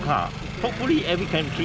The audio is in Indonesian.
semoga semua bisa mengembalikannya